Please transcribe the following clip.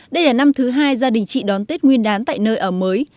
đây là năm thứ hai gia đình chị đón tết nguyên đán tại nơi ở mới